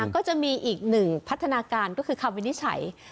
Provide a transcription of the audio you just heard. ก็จะมีอีกหนึ่งพัฒนาการก็คือคำวินิจฉัย